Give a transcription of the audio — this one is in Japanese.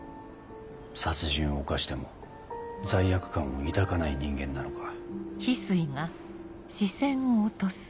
殺人を犯しても罪悪感を抱かない人間なのか。